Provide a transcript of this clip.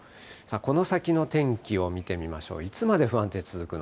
この先の天気を見てみましょう。